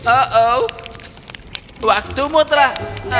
oh oh waktumu telah